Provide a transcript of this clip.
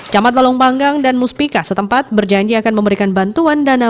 camat malung panggang dan muspika setempat berjanji akan memberikan bantuan dana